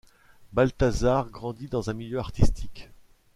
Balthazar grandit dans un milieu artistique.